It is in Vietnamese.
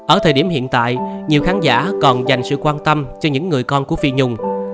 ở thời điểm hiện tại nhiều khán giả còn dành sự quan tâm cho những người con của phi nhung